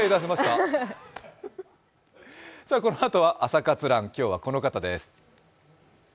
このあとは「朝活ＲＵＮ」、今日はこの方です。